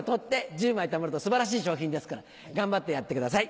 １０枚たまると素晴らしい賞品ですから頑張ってやってください。